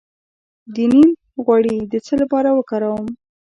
د نیم غوړي د څه لپاره وکاروم؟